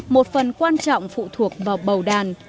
một phần quan trọng phụ thuộc vào bầu đàn